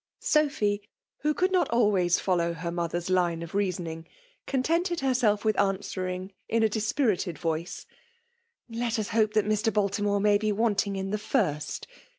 *''» Sophy, who could not always follow ber mother's line of reasoning, contented herself with answering in a dispirited v<rice, —" Let us hope that Mr. Baltimore may be wanting in the first.